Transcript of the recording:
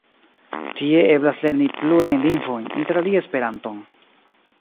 Tie eblas lerni plurajn lingvojn, interalie Esperanton.